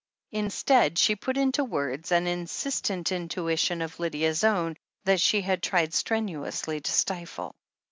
Instead she put into words an insistent intuition of Lydia's own, that she had tried strenuously to stifle.